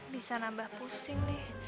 bisa nambah pusing deh